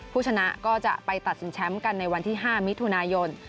ผู้ชนะก็จะไปตัดสินแชมป์กันในวันที่๕มิถุนายน